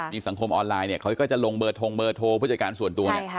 มีสังคมออนไลน์เขาก็จะลงเบอร์ทรงเบอร์โทรพฤติการส่วนตัว